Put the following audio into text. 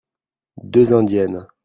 Deux indiennes.